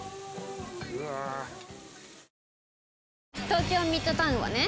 東京ミッドタウンはね